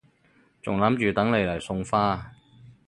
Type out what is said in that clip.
仲諗住等你嚟送花